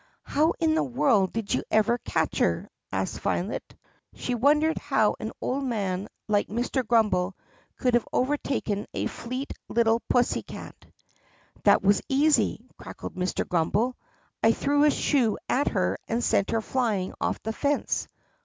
"How in the world did you ever catch her?" asked Violet. She wondered how an old man like Mr. Grummbel could have overtaken a fleet little pussycat. "That was easy," cackled Mr. Grummbel. "I threw a shoe at her and sent her flying off the fence.